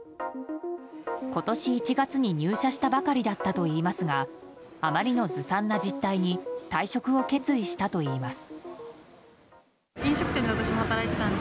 今年１月に入社したばかりだったといいますがあまりのずさんな実態に退職を決意したといいます。